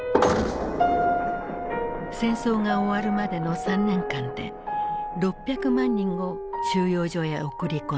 戦争が終わるまでの３年間で６００万人を収容所へ送り込んだ。